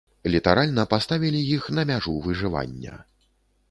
Літаральна паставілі іх на мяжу выжывання.